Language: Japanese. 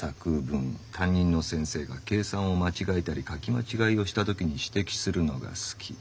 担任の先生が計算を間違えたり書き間違いをしたときに指摘するのが好き。